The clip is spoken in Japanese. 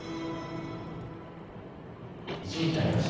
１時になりました。